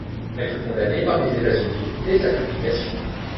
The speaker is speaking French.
Elle fut condamnée par les États-Unis dès sa publication.